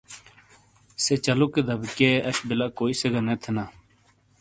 سے چلوکے دبہ کیئے اش بیلہ کوئی سے گہ نے تھینا ۔